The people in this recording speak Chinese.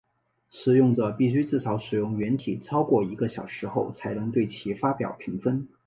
使用者必须至少使用软体超过一个小时后才能对其发表评分。